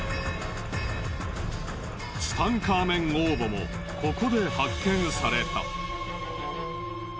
ツタンカーメン王墓もここで発見された。